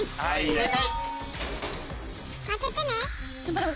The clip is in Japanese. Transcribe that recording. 正解。